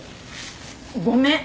ごめん。